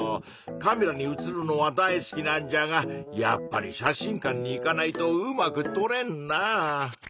カメラにうつるのは大好きなんじゃがやっぱり写真館に行かないとうまくとれんなぁ。